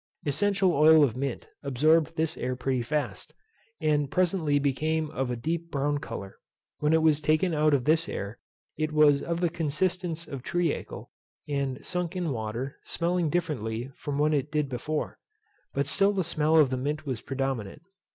Essential oil of mint absorbed this air pretty fast, and presently became of a deep brown colour. When it was taken out of this air it was of the consistence of treacle, and sunk in water, smelling differently from what it did before; but still the smell of the mint was predominant.